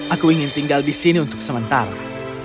aku ingin tinggal di sini untuk sementara